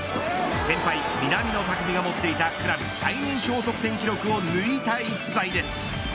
先輩、南野拓実が持っていたクラブ最年少得点記録を抜いた逸材です。